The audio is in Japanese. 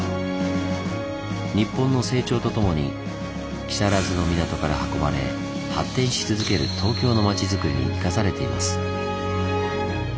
日本の成長とともに木更津の港から運ばれ発展し続ける東京の街づくりに生かされています。